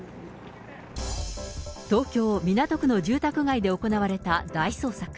東京・港区の住宅街で行われた大捜索。